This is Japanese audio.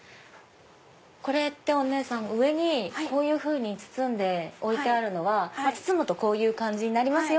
これってお姉さん上にこういうふうに包んであるのは包むとこうなりますよ！